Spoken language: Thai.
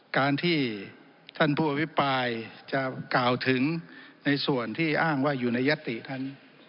การที่ท่านผู้อภิปรายจะกล่าวถึงในส่วนที่อ้างว่าอยู่ในยัตติท่าน